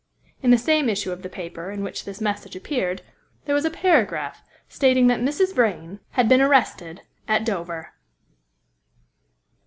In the same issue of the paper in which this message appeared there was a paragraph stating that Mrs. Vrain had been arrested at Dover.